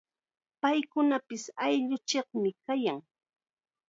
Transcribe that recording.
Paykunapis ayllunchikmi kayan.